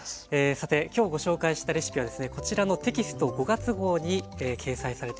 さて今日ご紹介したレシピはですねこちらのテキスト５月号に掲載されています。